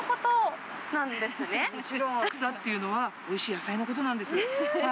草っていうのは、おいしい野菜のことなんです。